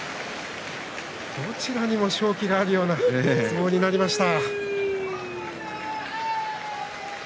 どちらも勝機があるような相撲になりました。